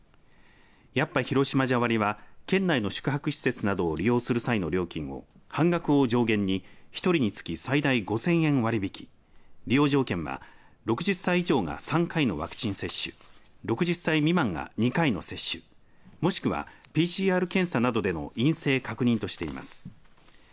やっぱ広島じゃ割は県内の宿泊施設などを利用する際の料金を半額を上限に１人につき最大５０００円を割り引き利用条件は６０歳以上が３回のワクチン接種２０歳未満が２回の接種もしくは、ＰＣＲ検査などでの陰性確認としています。